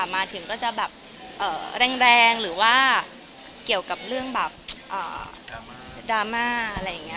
มาถึงก็จะแรงหรือว่าเกี่ยวกับดราม่า